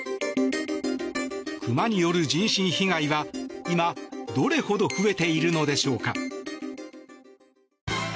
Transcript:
熊による人身被害は今、どれほど増えているのでしょうか。